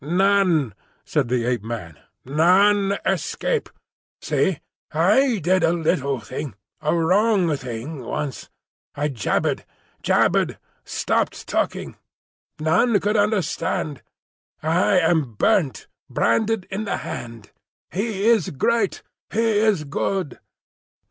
"None, none," said the Ape man,—"none escape. See! I did a little thing, a wrong thing, once. I jabbered, jabbered, stopped talking. None could understand. I am burnt, branded in the hand. He is great. He is good!"